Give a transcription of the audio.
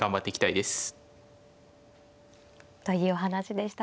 というお話でした。